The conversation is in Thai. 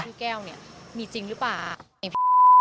พี่แก้วเนี่ยมีจริงหรือเปล่าเอ็ม